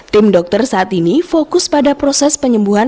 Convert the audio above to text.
tim dokter saat ini fokus pada proses penyembuhan